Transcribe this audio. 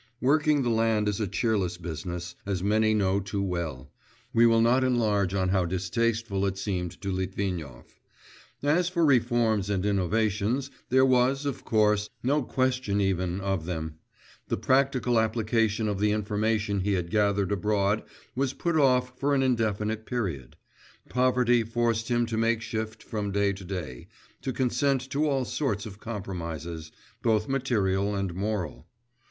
Working the land is a cheerless business, as many know too well; we will not enlarge on how distasteful it seemed to Litvinov. As for reforms and innovations, there was, of course, no question even of them; the practical application of the information he had gathered abroad was put off for an indefinite period; poverty forced him to make shift from day to day, to consent to all sorts of compromises both material and moral.